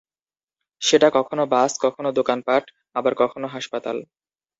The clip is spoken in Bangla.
সেটা কখনো বাস, কখনো দোকানপাট, আবার কখনো হাসপাতাল।